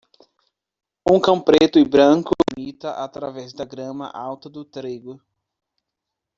Um cão preto e branco limita através da grama alta do trigo.